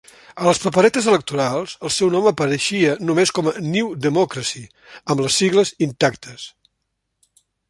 A les paperetes electorals, el seu nom apareixia només com a "New Democracy" amb les sigles intactes.